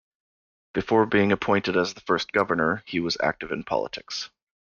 Before being appointed as the first Governor, he was active in politics.